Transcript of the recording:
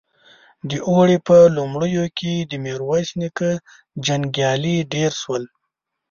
د اوړي په لومړيو کې د ميرويس نيکه جنګيالي ډېر شول.